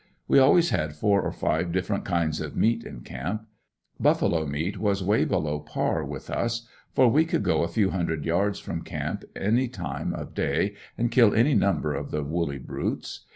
We always had four or five different kinds of meat in camp. Buffalo meat was way below par with us, for we could go a few hundred yards from camp any time of day and kill any number of the woolly brutes.